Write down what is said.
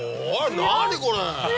何これ！